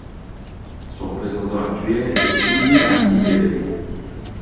Son représentant actuel est Zewdu Abdi Debele.